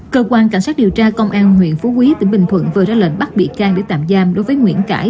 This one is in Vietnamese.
cơ quan cảnh sát điều tra công an huyện phú quý tỉnh bình thuận vừa ra lệnh bắt bị can để tạm giam đối với nguyễn cãi